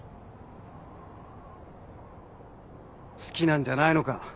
好きなんじゃないのか？